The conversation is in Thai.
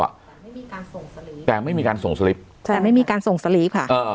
แต่ไม่มีการส่งสลิปแต่ไม่มีการส่งสลิปใช่แต่ไม่มีการส่งสลิปค่ะอ่า